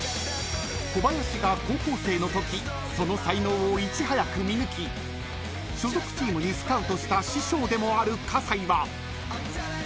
［小林が高校生のときその才能をいち早く見抜き所属チームにスカウトした師匠でもある葛西は］